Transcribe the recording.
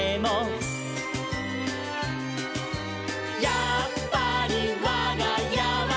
「やっぱりわがやは」